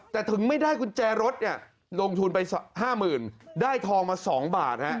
แต่ถึงไม่ได้กุญแจรถลงทุนไปห้าหมื่นได้ทองมาสองบาท